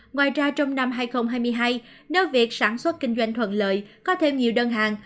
ngoài ra trong năm hai nghìn hai mươi hai nếu việc sản xuất kinh doanh thuận lợi có thêm nhiều đơn hàng